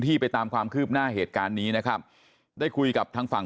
ไปตามความคืบหน้าเหตุการณ์นี้นะครับได้คุยกับทางฝั่ง